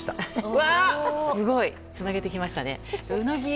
うわ、すごい！つなげてきましたね。